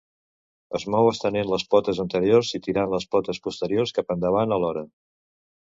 Es mou estenent les potes anteriors i tirant les potes posteriors cap endavant alhora.